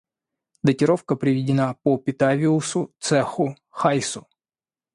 датировка приведена по Петавиусу, Цеху, Хайсу